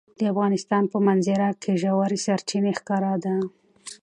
د افغانستان په منظره کې ژورې سرچینې ښکاره ده.